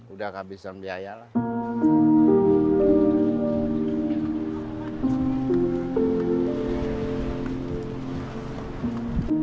udah nggak bisa punya biaya lah